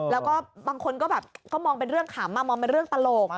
แล้วก็บางคนก็แบบก็มองเป็นเรื่องขำมองเป็นเรื่องตลก